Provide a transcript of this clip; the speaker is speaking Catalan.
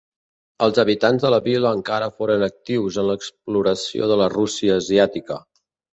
Els habitants de la vila encara foren actius en l'exploració de la Rússia asiàtica.